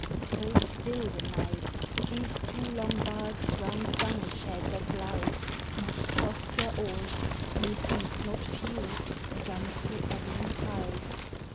So still the night, these two long barks round Dunashad that glide Must trust their oars methinks not few against the ebbing tide.